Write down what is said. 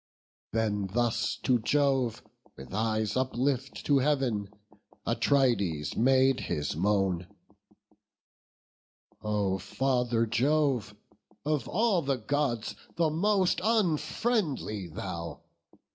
Then thus to Jove, with eyes uplift to Heav'n, Atrides made his moan: "O Father Jove! Of all the Gods, the most unfriendly thou!